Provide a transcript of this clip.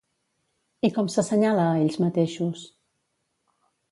I com s'assenyala a ells mateixos?